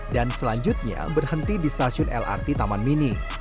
dan selanjutnya berhenti di stasiun lrt taman mini